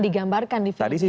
digambarkan di film ini